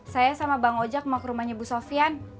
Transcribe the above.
saya sama bang ojak mau ke rumahnya bu sofyan